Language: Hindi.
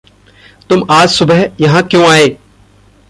तुम आज सुबह यहाँ क्यों आए?